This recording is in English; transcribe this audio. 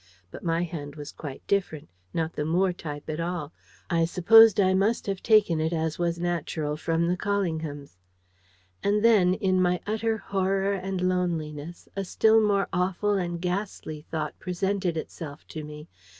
But my hand was quite different: not the Moore type at all: I supposed I must have taken it, as was natural, from the Callinghams. And then, in my utter horror and loneliness, a still more awful and ghastly thought presented itself to me.